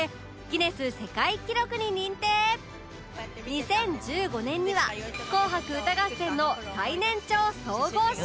２０１５年には『紅白歌合戦』の最年長総合司会に